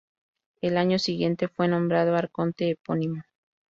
Al año siguiente fue nombrado arconte epónimo.